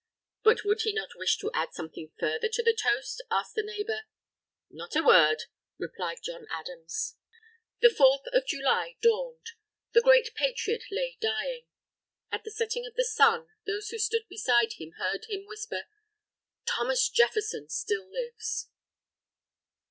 But would he not wish to add something further to the toast, asked the neighbour. "Not a word," replied John Adams. The Fourth of July dawned. The great Patriot lay dying. At the setting of the sun, those who stood beside him heard him whisper: "Thomas Jefferson still lives!"